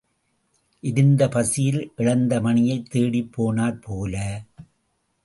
எரிந்த பசியில் இழந்த மணியைத் தேடிப் போனாற் போல.